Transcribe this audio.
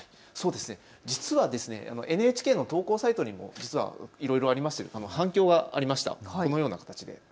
実はＮＨＫの投稿サイトにも実はいろいろありまして反響がありました。